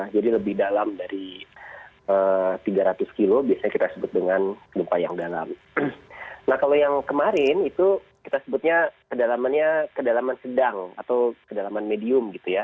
jadi lebih dalam dari tiga ratus kilo biasanya kita sebut dengan gempa yang dalam nah kalau yang kemarin itu kita sebutnya kedalaman sedang atau kedalaman medium gitu ya